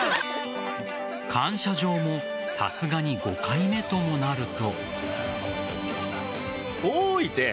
感謝状もさすがに５回目ともなると。